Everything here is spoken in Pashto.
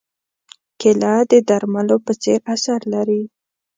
کېله د درملو په څېر اثر لري.